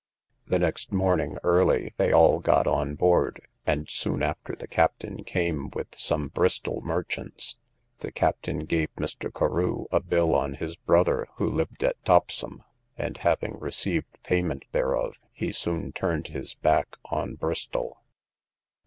The next morning early they all got on board, and soon after the captain came with some Bristol merchants. The captain gave Mr. Carew a bill on his brother who lived at Topsham, and having received payment thereof, he soon turned his back on Bristol.